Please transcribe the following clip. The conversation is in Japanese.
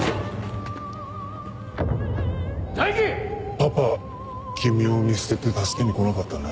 パパ君を見捨てて助けに来なかったね。